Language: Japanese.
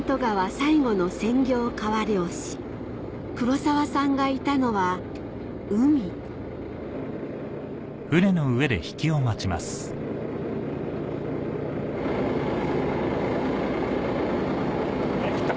最後の専業川漁師黒澤さんがいたのは海はい食った！